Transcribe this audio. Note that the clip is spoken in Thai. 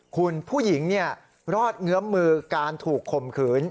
คุณผู้หญิงรอดเงื้อมมือการถูกข่มขืน